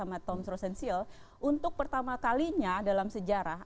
atau thomas rosenziel untuk pertama kalinya dalam sejarah